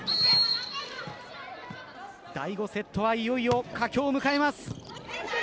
第５セットはいよいよ佳境を迎えます。